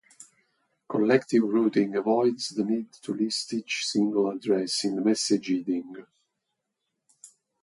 Collective routing avoids the need to list each single address in the message heading.